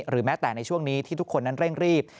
แม้แต่ในช่วงนี้ที่ทุกคนนั้นเร่งรีบ